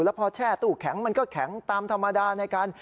แล้วพอแช่ตู้แข็งมันก็แข็งตามธรรมดาในการ